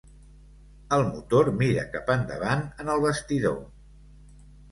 El motor mira cap endavant en el bastidor.